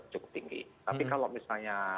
cukup tinggi tapi kalau misalnya